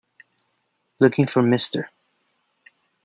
Looking for Mr.